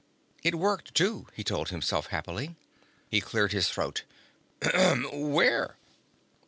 It worked, too, he told himself happily. He cleared his throat. "Where?"